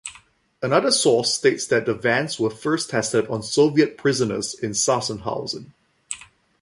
Another source states that the vans were first tested on Soviet prisoners in Sachsenhausen.